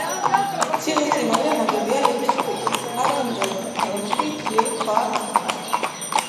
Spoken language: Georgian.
ციხესიმაგრე ნაგებია რიყის ქვით; ადრინდელ ფენებში თლილი ქვაა ნახმარი.